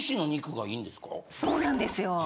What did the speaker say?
そうなんですよ。